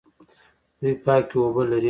دوی پاکې اوبه لري.